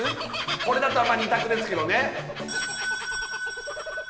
これだったらまあ２択ですけどね